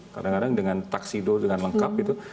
kadang kadang dengan taksido dengan lengkap itu